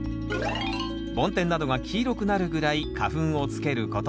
梵天などが黄色くなるぐらい花粉をつけること。